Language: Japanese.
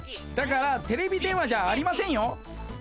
だからテレビ電話じゃありませんよ。